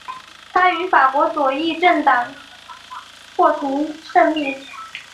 他与法国左翼政党过从甚密。